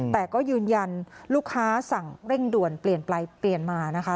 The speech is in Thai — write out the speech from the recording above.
แต่ก็ยืนยันลูกค้าสั่งเร่งด่วนเปลี่ยนไปเปลี่ยนมานะคะ